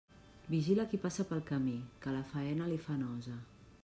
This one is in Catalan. Vigila qui passa pel camí, que la faena li fa nosa.